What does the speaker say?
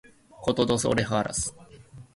Cortó dos orejas.